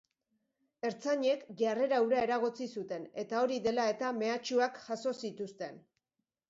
Ertzainek jarrera hura eragotzi zuten, eta hori dela eta mehatxuak jaso zituzten.